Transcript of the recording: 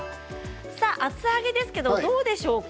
厚揚げですがどうでしょうか？